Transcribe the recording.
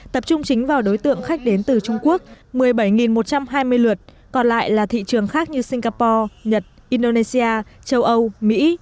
tập trung chính vào đối tượng khách đến từ trung quốc một mươi bảy một trăm hai mươi lượt còn lại là thị trường khác như singapore nhật indonesia châu âu mỹ